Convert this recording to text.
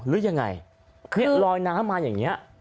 รอยน้ำมาอย่างเงี้ย